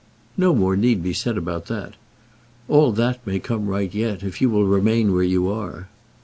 "No more need be said about that. All that may come right yet, if you will remain where you are."